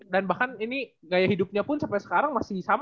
dan bahkan ini gaya hidupnya pun sampai sekarang masih sama